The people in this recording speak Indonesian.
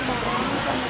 ini penpasangan kreatif